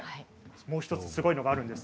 もう１つすごいのがあるんです。